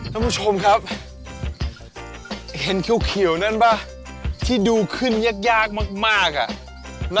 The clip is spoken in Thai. ท่านผู้ชมครับเห็นเขียวนั่นป่ะที่ดูขึ้นยากยากมากอ่ะ